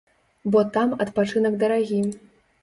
Бо там адпачынак дарагі.